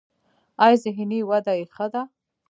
ایا ذهني وده یې ښه ده؟